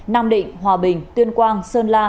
nam định hòa bình tuyên quang sơn la